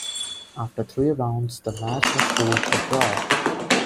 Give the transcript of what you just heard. After three rounds, the match was ruled a draw.